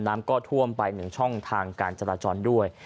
น้ำก็ท่วมไป๑ช่องทางการจราจรด้วย